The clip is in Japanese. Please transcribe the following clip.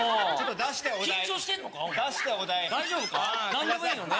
何でもいいのね。